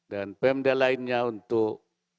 dan pemda lainnya untuk